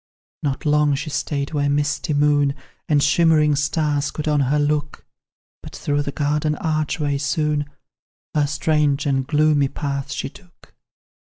Not long she stayed where misty moon And shimmering stars could on her look, But through the garden archway soon Her strange and gloomy path she took.